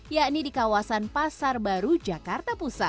yakni di kawasan pasar baru jakarta pusat